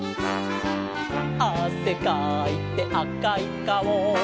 「あせかいてあかいかお」